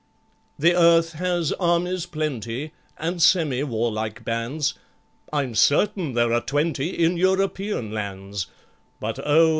The earth has armies plenty, And semi warlike bands, I'm certain there are twenty In European lands; But, oh!